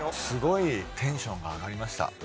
すごいテンションが上がりました。